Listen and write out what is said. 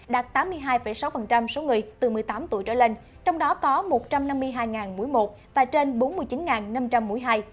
đạt tám mươi hai sáu số người từ một mươi tám tuổi trở lên trong đó có một trăm năm mươi hai mũi một và trên bốn mươi chín năm trăm linh mũi hai